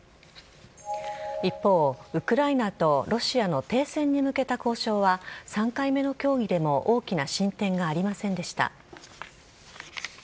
一方、ウクライナとロシアの停戦に向けた交渉は、３回目の協議でも大きな進展がありませんでした。